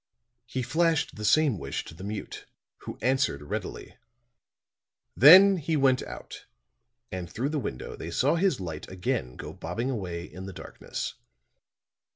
He flashed the same wish to the mute, who answered readily; then he went out and through the window they saw his light again go bobbing away in the darkness.